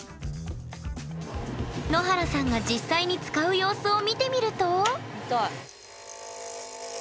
野原さんが実際に使う様子を見てみると。